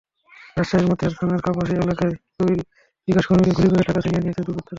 রাজশাহীর মতিহার থানার কাপাসিয়া এলাকায় দুই বিকাশকর্মীকে গুলি করে টাকা ছিনিয়ে নিয়েছে দুর্বৃত্তরা।